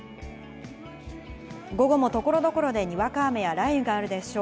午後も所々でにわか雨や雷雨があるでしょう。